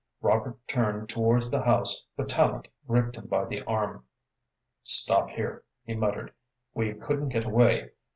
Robert turned towards the house but Tallente gripped him by the arm. "Stop here," he muttered. "We couldn't get away.